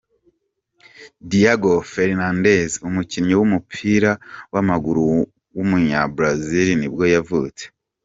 Diogo Fernandes, umukinnyi w’umupira w’amaguru w’umunya-Brazil nibwo yavutse.